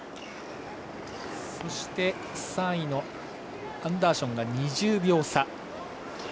３位のアンダーションが２０秒差。